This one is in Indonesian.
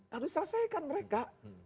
harus selesaikan mereka